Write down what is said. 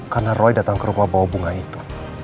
karena roy datang ke rumah bawa bunga itu